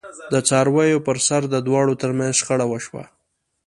د څارویو پرسر د دواړو ترمنځ شخړه وشوه.